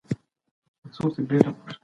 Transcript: دا ډول څېړنه تر هغې بلې څېړني ښه ده.